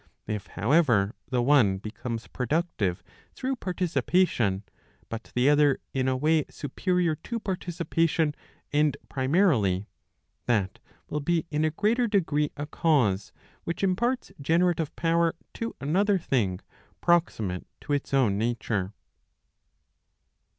If, however, the one becomes productive through participation, but the other in a way superior to participation and primarily, that will be in a greater degree a cause, which imparts generative power to another thing proximate to its own nature.